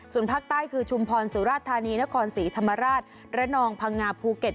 ส่วนภาคใต้คือชุมพรสุราธานีนครศรีธรรมราชระนองพังงาภูเก็ต